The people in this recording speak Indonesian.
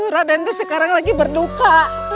raden itu sekarang lagi berduka